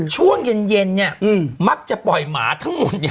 ช่วงเย็นเนี่ยมักจะปล่อยหมาทั้งหมดเนี่ย